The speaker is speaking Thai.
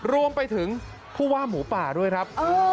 รวมไปถึงผู้ว่าหมูป่าด้วยครับ